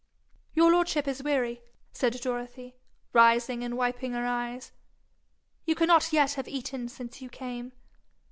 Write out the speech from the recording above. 'Your lordship is weary,' said Dorothy, rising and wiping her eyes. 'You cannot yet have eaten since you came.